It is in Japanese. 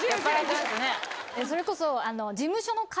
それこそ。